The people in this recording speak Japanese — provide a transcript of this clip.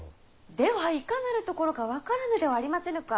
ではいかなるところか分からぬではありませぬか。